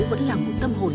vẫn là một tâm hồn